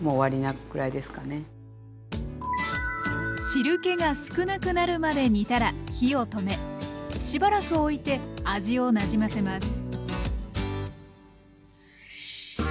汁けが少なくなるまで煮たら火を止めしばらくおいて味をなじませます。